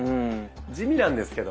地味なんですけど。